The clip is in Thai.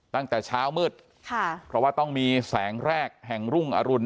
ตั้งแต่เช้ามืดค่ะเพราะว่าต้องมีแสงแรกแห่งรุ่งอรุณ